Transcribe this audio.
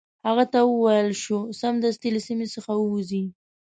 هغه ته وویل شو سمدستي له سیمي څخه ووزي.